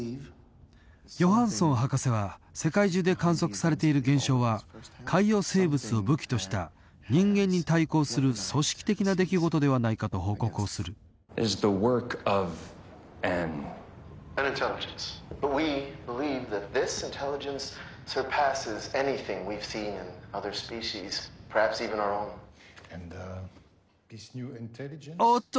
ヨハンソン博士は世界中で観測されている現象は海洋生物を武器とした人間に対抗する組織的な出来事ではないかと報告をするおっと！